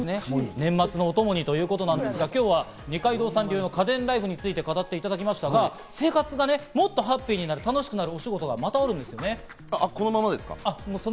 年末のお供にということですが、今日は二階堂さん流の家電ＬＩＦＥについて語っていただきましたが、生活がもっとハッピーになる楽しくなる推しゴトがあるんですよね？